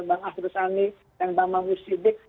bang ahdusani dan bang mamud siddiq